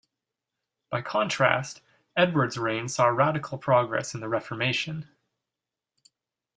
By contrast, Edward's reign saw radical progress in the Reformation.